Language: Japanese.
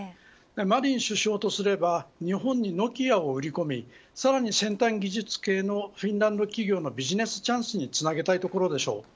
マリン首相とすれば日本にノキアを売り込みさらに先端技術系のフィンランド企業のビジネスチャンスにつなげたいところでしょう。